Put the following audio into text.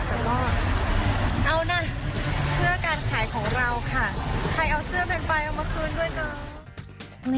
แต่ก็เอานะเพื่อการขายของเราค่ะใครเอาเสื้อแพงใบเอามาคืนด้วยนะ